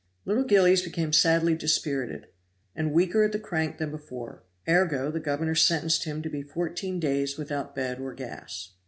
Little Gillies became sadly dispirited, and weaker at the crank than before; ergo, the governor sentenced him to be fourteen days without bed or gas.